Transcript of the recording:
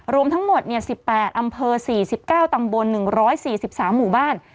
รวมทั้งหมด๑๘อำเภอ๔๙ตำบล๑๔๓หมู่บ้าน